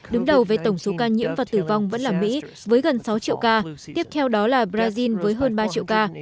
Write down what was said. đứng đầu với tổng số ca nhiễm và tử vong vẫn là mỹ với gần sáu triệu ca tiếp theo đó là brazil với hơn ba triệu ca